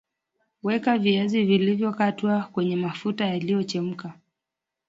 Weka viazi vilivyokatwa kwenye mafuta yaliyochemka